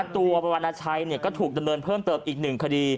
ตัวประวัตินักใช้ถูกดำเนินเพิ่มเติบอีก๑คดี